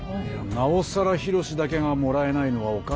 なおさら緋炉詩だけがもらえないのはおかしな話です。